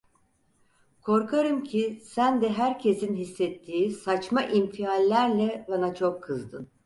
Korkarım ki sen de herkesin hissettiği saçma infiallerle bana çok kızdın…